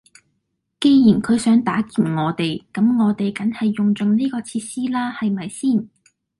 既然佢想打劫我哋，咁我哋梗係用盡呢個設施啦係咪先？